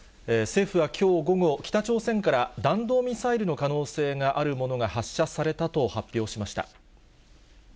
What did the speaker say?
政府はきょう午後、北朝鮮から弾道ミサイルの可能性があるものが発射されたと発表しました。